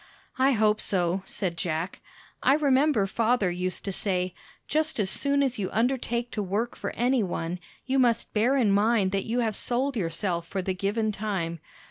"I hope so," said Jack. "I remember father used to say: Just as soon as you undertake to work for any one, you must bear in mind that you have sold yourself for the given time.